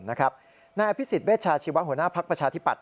นายอภิสิษฐ์เบสชาชีวะหัวหน้าพักประชาธิปัตย์